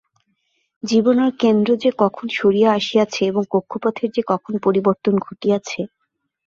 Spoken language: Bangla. জীবনের কেন্দ্র যে কখন সরিয়া আসিয়াছে এবং কক্ষপথের যে কখন পরিবর্তন ঘটিয়াছে।